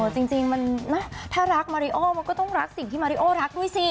จริงถ้ารักมาริโอมันก็ต้องรักสิ่งที่มาริโอรักด้วยสิ